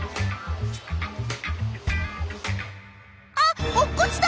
あっ落っこちた！